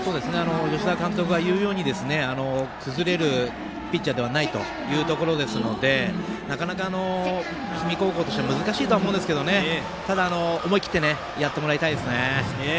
吉田監督が言うように崩れるピッチャーではないということですのでなかなか氷見高校としては難しいと思うんですけど思い切ってやってほしいですね。